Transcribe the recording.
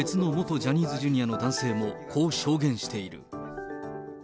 ジャニーズＪｒの男性も、こう証言している。